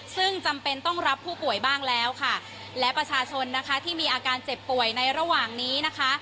ซึ่งจำเป็นต้องรับผู้ป่วยบ้างแล้วค่ะและประชาชนนะคะที่มีอาการเจ็บป่วยในระหว่างนี้นะคะ